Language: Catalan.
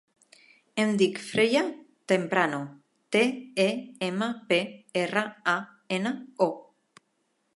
Em dic Freya Temprano: te, e, ema, pe, erra, a, ena, o.